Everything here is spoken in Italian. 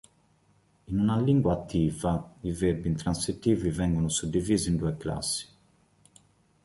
In una lingua attiva, i verbi intransitivi vengono suddivisi in due classi.